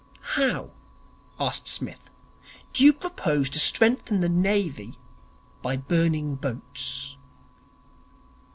'How,' asked Psmith, 'do you propose to strengthen the Navy by burning boats?'